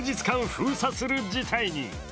封鎖する事態に。